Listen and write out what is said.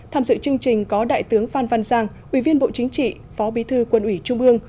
tham dự chương trình có đại tướng phan văn giang ủy viên bộ chính trị phó bí thư quân ủy trung ương